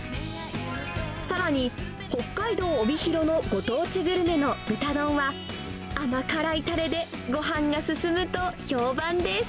さらに、北海道帯広のご当地グルメの豚丼は、甘辛いたれでごはんが進むと評判です。